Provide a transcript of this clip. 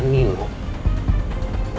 dan nino adalah anaknya roy